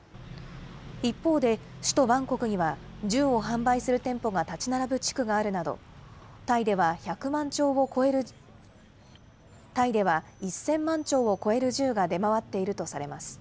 一方で、首都バンコクには銃を販売する店舗が建ち並ぶ地区があるなど、タイでは１０００万丁を超える銃が出回っているとされます。